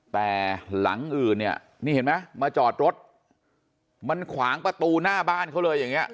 แต่หลังอื่นเนี่ยนี่เห็นไหมมาจอดรถมันขวางประตูหน้าบ้านเขาเลยอย่างเงี้